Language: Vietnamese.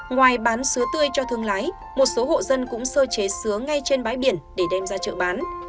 ngoài bán sứa tươi cho thương lái một số hộ dân cũng sơ chế sứa ngay trên bãi biển để đem ra chợ bán